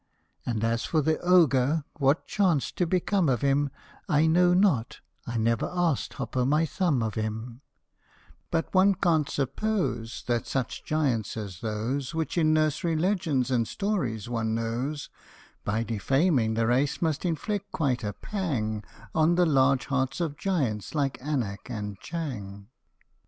And as for the Ogre, what chanced to become of him I know not I never asked Hop o' my Thumb of him ; But one can't but suppose That such giants as those Which in nursery legends and stories one knows, By defaming the race must inflict quite a pang On the large hearts of giants like Anak and Chang, " ;S m&m HOP O MY THUMB.